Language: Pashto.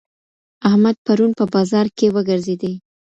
احمد پرون په بازار کي وګرځېدی.